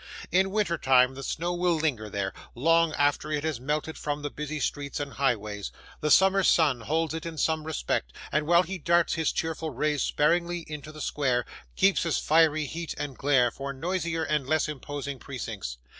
In winter time, the snow will linger there, long after it has melted from the busy streets and highways. The summer's sun holds it in some respect, and while he darts his cheerful rays sparingly into the square, keeps his fiery heat and glare for noisier and less imposing precincts.